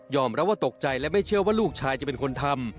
รับว่าตกใจและไม่เชื่อว่าลูกชายจะเป็นคนทำ